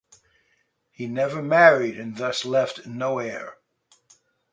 He never married and thus left no heir.